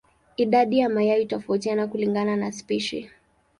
Idadi ya mayai hutofautiana kulingana na spishi.